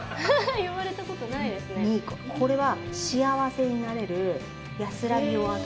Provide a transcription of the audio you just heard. これは。